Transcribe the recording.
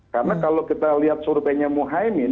karena kalau kita lihat surveinya mohaimin